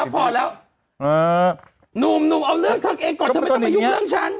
พอแล้วหนุ่มเอาเรื่องเธอเองก่อนทำไมต้องมายุ่งเรื่องฉัน